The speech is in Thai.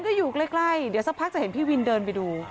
ก็อยู่ใกล้เดี๋ยวสักพักจะเห็นพี่วินเดินไปดู